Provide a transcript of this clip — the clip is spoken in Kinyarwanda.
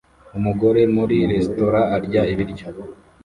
Umugore muri resitora arya ibiryo